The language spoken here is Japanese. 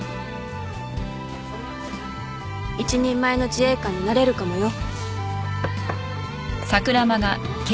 一人前の自衛官になれるかもよ。